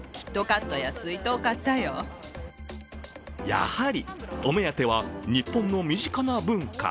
やはりお目当ては日本の身近な文化。